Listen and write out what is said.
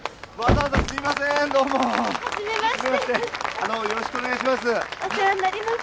あのよろしくお願いします。